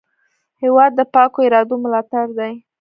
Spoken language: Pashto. هېواد د پاکو ارادو ملاتړ دی.